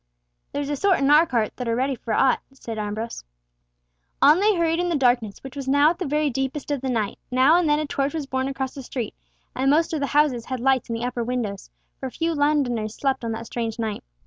"There's a sort in our court that are ready for aught," said Ambrose. On they hurried in the darkness, which was now at the very deepest of the night; now and then a torch was borne across the street, and most of the houses had lights in the upper windows, for few Londoners slept on that strange night.